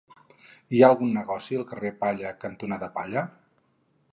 Hi ha algun negoci al carrer Palla cantonada Palla?